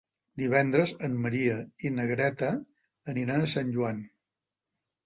Divendres en Maria i na Greta aniran a Sant Joan.